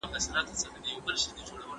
زه پرون سبزیحات تياروم وم؟!